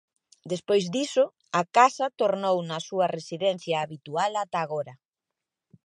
Despois diso, a casa tornou na súa residencia habitual ata agora.